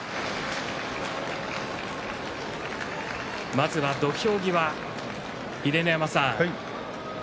まずは土俵際、秀ノ山さん